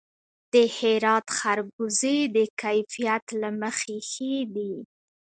د هرات خربوزې د کیفیت له مخې ښې دي.